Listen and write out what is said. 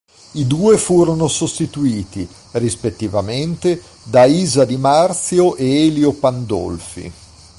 I due furono sostituiti, rispettivamente, da Isa Di Marzio e Elio Pandolfi.